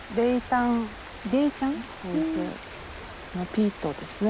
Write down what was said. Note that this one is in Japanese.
ピートですね。